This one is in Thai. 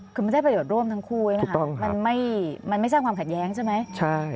คือมันได้ประโยชน์ร่วมทั้งคู่ด้วยนะคะมันไม่สร้างความขัดแย้งใช่ไหม